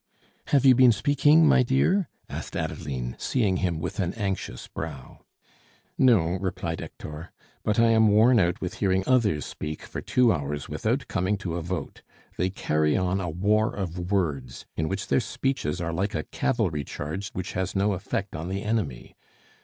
"Have you been speaking, my dear?" asked Adeline, seeing him with an anxious brow. "No," replied Hector, "but I am worn out with hearing others speak for two hours without coming to a vote. They carry on a war of words, in which their speeches are like a cavalry charge which has no effect on the enemy.